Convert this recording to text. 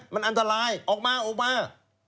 มันอันตรายออกมาออกมา